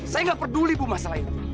saya nggak peduli bu masalah itu